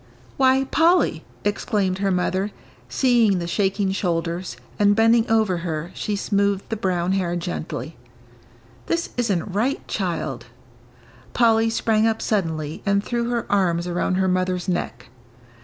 "Why, Polly," exclaimed her mother, seeing the shaking shoulders, and, bending over her, she smoothed the brown hair gently, "this isn't right, child " Polly sprang up suddenly and threw her arms around her mother's neck.